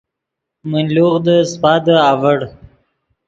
من لوغدے سیپادے اڤڑ